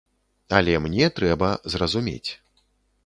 Але мне трэба зразумець.